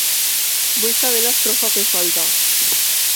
Vull saber l'estrofa que falta!